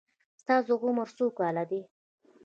ستاسو عمر څو کاله دی؟